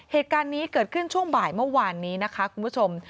เหตุการณ์นี้เกิดขึ้นช่วงบ่ายเมื่อวานนี้นะคะคุณผู้ชม